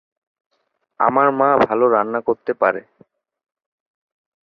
আমার মা ভালো রান্না করতে পারে।